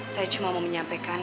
saya cuma mau menyampaikan